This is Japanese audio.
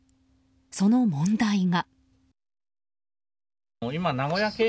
その問題が。